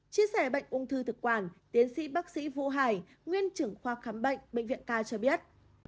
chia sẻ bệnh ung thư thực quản tiến sĩ bác sĩ vũ hải nguyên trưởng khoa khám bệnh bệnh viện k cho biết